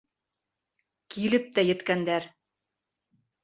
Килеп тә еткәндәр!